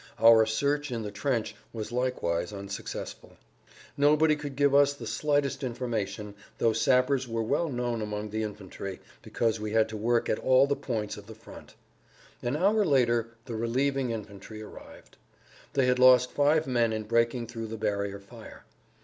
Our search in the trench was likewise unsuccessful; nobody could give us the slightest information though sappers were well known among the infantry, because we had to work at all the points of the front. An hour later the relieving infantry arrived. They had lost five men in breaking through the barrier fire.